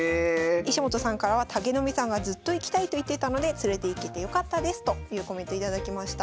石本さんからは「武富さんがずっと行きたいと言ってたので連れていけてよかったです」というコメント頂きました。